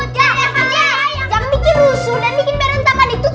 jangan bikin rusuh dan bikin berantakan itu